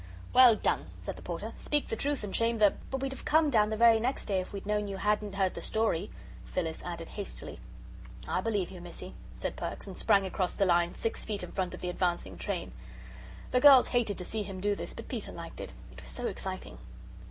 "Well done!" said the Porter; "speak the truth and shame the " "But we'd have come down the very next day if we'd known you hadn't heard the story," Phyllis added hastily. "I believe you, Missie," said Perks, and sprang across the line six feet in front of the advancing train. The girls hated to see him do this, but Peter liked it. It was so exciting.